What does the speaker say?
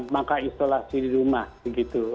maka isolasi di rumah begitu